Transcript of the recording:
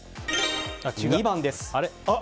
２番です。